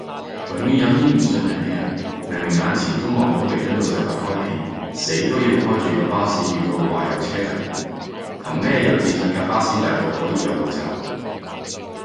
永遠有啲唔信人嘅人，明明眼前都望到彌敦道就快開片，死都要開住個巴士預報話有車嚟緊，憑咩有自信架巴士嚟到可以有路走？